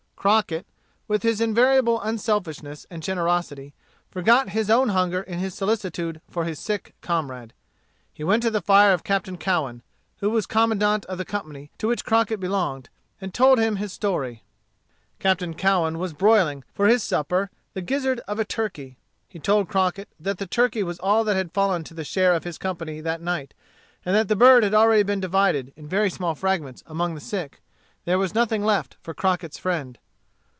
Crockett, with his invariable unselfishness and generosity, forgot his own hunger in his solicitude for his sick comrade. He went to the fire of Captain Cowen, who was commandant of the company to which Crockett belonged, and told him his story. Captain Cowen was broiling, for his supper, the gizzard of a turkey. He told Crockett that the turkey was all that had fallen to the share of his company that night, and that the bird had already been divided, in very small fragments, among the sick. There was nothing left for Crockett's friend.